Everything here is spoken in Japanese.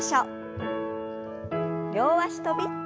両脚跳び。